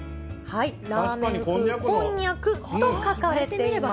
ラーメン風こんにゃくと書かれています。